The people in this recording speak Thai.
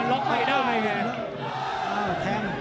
แต่แค่นิดนึง